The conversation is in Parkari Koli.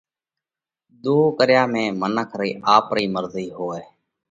ۮوه ڪريا ۾ منک رئِي آپرئِي مرضئِي هوئه۔